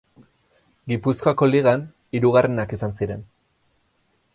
Gipuzkoako Ligan hirugarrenak izan ziren.